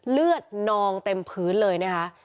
เลือดนองเต็มพื้นเลยนะคะ